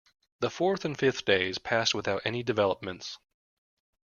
The fourth and fifth days passed without any developments.